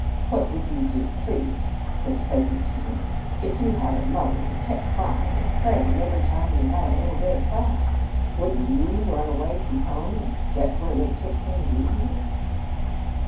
'What would you do, please,' says Peggy to me, 'if you had a mother that kept crying and praying every time you had a bit of fun? Wouldn't you run away from home and get where they took things aisier?'"